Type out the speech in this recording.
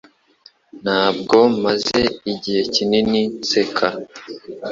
Ntabwo maze igihe kinini nseka